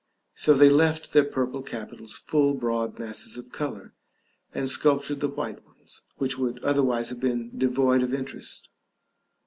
So they left their purple capitals full broad masses of color; and sculptured the white ones, which would otherwise have been devoid of interest.